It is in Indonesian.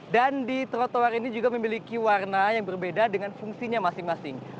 dan di trotoar ini juga memiliki warna yang berbeda dengan fungsinya masing masing